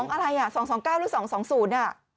อะไรอ่ะ๒๒๙หรือ๒๒๐อ่ะ